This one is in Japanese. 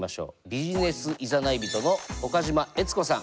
ビジネスいざない人の岡島悦子さん